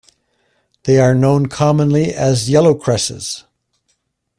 They are known commonly as yellowcresses.